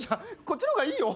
こっちの方がいいよ。